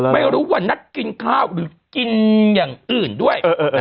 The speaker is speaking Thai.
ไม่รู้ว่านัดกินข้าวหรือกินอย่างอื่นด้วย